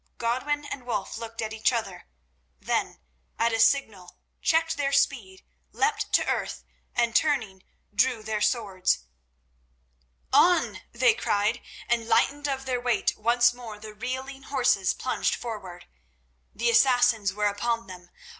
Godwin and Wulf looked at each other, then, at a signal, checked their speed, leapt to earth, and, turning, drew their swords. "On!" they cried, and lightened of their weight, once more the reeling horses plunged forward. The Assassins were upon them.